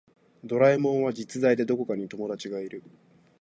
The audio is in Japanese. ドラえもんは実在でどこかに友達がいる